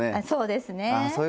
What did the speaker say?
そうですね。